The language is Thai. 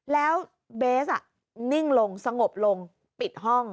แล้วเบสนิ่งลงสงบลงปิดห้อง